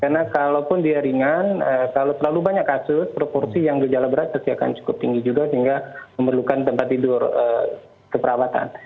karena kalaupun dia ringan kalau terlalu banyak kasus proporsi yang dijala berat pasti akan cukup tinggi juga sehingga memerlukan tempat tidur keperawatan